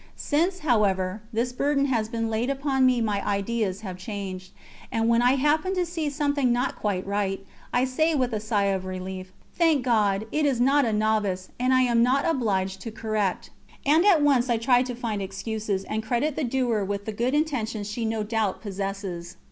Since, however, this burden has been laid upon me my ideas have changed, and when I happen to see something not quite right, I say with a sigh of relief: "Thank God! It is not a novice, and I am not obliged to correct"; and at once I try to find excuses, and credit the doer with the good intentions she no doubt possesses.